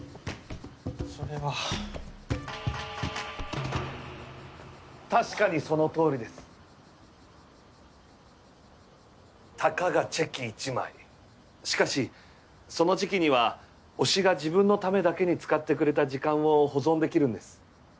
⁉それは確かにそのとおりですたかがチェキ１枚しかしそのチェキには推しが自分のためだけに使ってくれた時間を保存できるんです